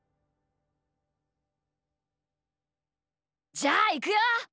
じゃあいくよ？